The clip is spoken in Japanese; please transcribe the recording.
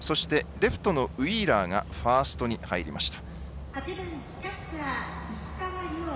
レフトのウィーラーがファーストに入りました。